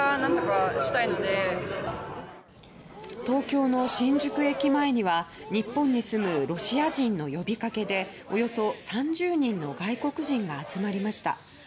東京の新宿駅前には日本に住むロシア人の呼びかけでおよそ３０人の外国人が集まりました。